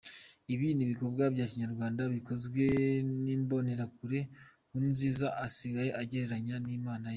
Ibi n’ibikorwa bya Kinyamanswa bikorwa n’Imbonerakure Nkurunziza asigaye agereranya n’imana ye.